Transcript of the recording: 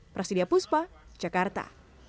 prasidya puspa jakarta